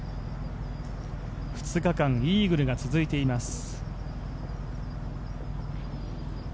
２日間、イーグルが続いています。